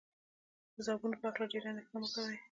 د ځوابونو په هکله ډېره اندېښنه مه کوئ.